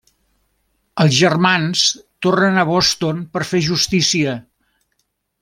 Els germans tornen a Boston per fer justícia.